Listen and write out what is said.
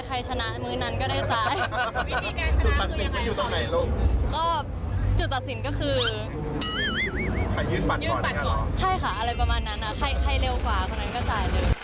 คนยืนปัดก่อนใช่ค่ะอะไรประมาณนั้นน่ะใครใครเร็วกว่าเขานั้นก็เจอ